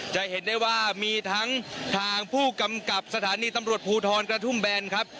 จะเห็นได้ว่ามีทั้งทางผู้กำกับสถานีตำรวจภูทรกระทุ่มแบนครับ